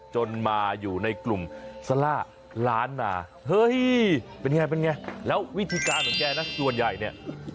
จนมาอยู่ในกลุ่มซาล่าล้านนาเฮ้ยเป็นไงเป็นไงแล้ววิธีการของแกนะส่วนใหญ่เนี่ย